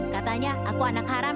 katanya aku anak haram